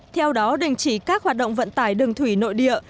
theo đó đình chỉ các hoạt động vận tải đường thủy nội địa